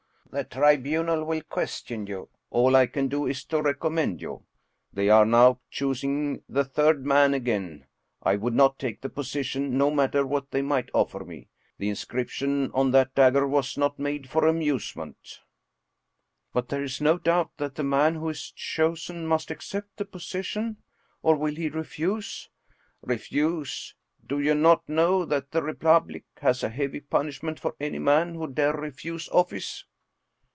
" The Tribunal will question you ; all I can do is to rec ommend you. They are now choosing the third man again. / would not take the position, no matter what they might 59 German Mystery Stories offer me. The inscription on that dagger was not made for amusement." " But there is no doubt that the man who is chosen must accept the position? Or will he refuse? " "Refuse! Do you not know that the Republic has a heavy punishment for any man who dare refuse office?"